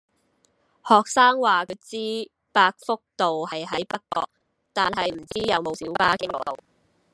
學生話佢知百福道係喺北角，但係唔知有冇小巴經嗰度